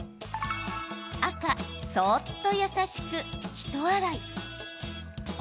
赤・そっと優しく、ひと洗い。